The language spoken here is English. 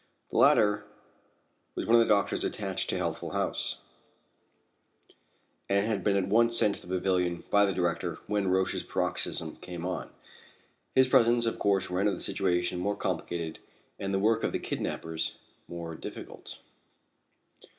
The latter was one of the doctors attached to Healthful House, and had been at once sent to the pavilion by the director when Roch's paroxysm came on. His presence of course rendered the situation more complicated and the work of the kidnappers more difficult.